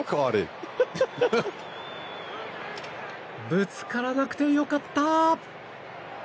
ぶつからなくて良かった！